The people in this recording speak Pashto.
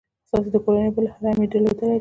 ستاسي د کورنۍ بل هر امیر درلودلې ده.